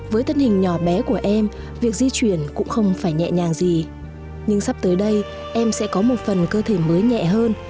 với thân hình nhỏ bé của em việc di chuyển cũng không phải nhẹ nhàng gì nhưng sắp tới đây em sẽ có một phần cơ thể mới nhẹ hơn